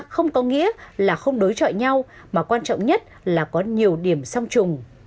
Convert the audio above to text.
không có nghĩa là không đối trọi nhau mà quan trọng nhất là có nhiều điểm song trùng